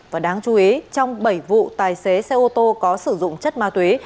và đáng chú ý trong bảy vụ tài xế xe ô tô có sử dụng chất ma túy